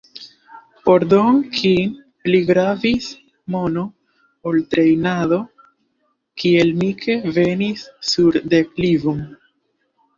Por Don King pli gravis mono ol trejnado, tiel Mike venis sur deklivon.